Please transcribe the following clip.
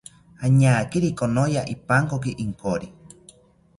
Añakiri konoya ipankoki inkori